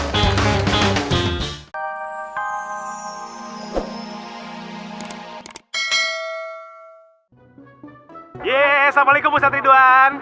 yeay assalamualaikum ustad ridwan